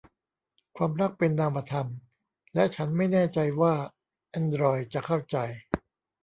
ความรักเป็นนามธรรม และฉันไม่แน่ใจว่าแอนดรอยด์จะเข้าใจ